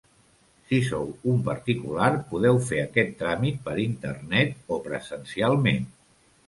Si sou un particular podeu fer aquest tràmit per internet o presencialment.